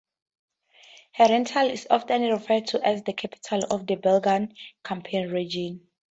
Herentals is often referred to as the capital of the Belgian Campine region.